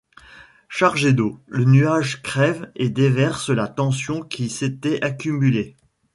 Chargé d’eau, le nuage crève et déverse la tension qui s’était accumulée.